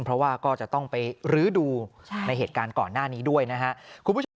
เพราะว่าก็จะต้องไปลื้อดูในเหตุการณ์ก่อนหน้านี้ด้วยนะคะ